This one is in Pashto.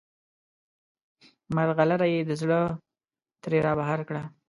مرغلره یې د زړه ترې رابهر کړه.